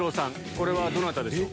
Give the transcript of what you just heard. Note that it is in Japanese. これはどなたでしょう？